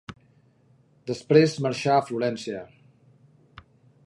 Després marxà a Florència.